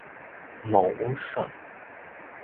武術